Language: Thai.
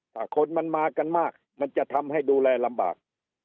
ถ้าคนมันมากันมากมันจะทำให้ดูแลลำบาก